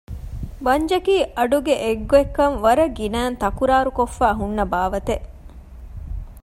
ބަނޖަކީ އަޑުގެ އެއްގޮތްކަން ވަރަށް ގިނައިން ތަކުރާރުކޮށްފައި ހުންނަ ބާވަތެއް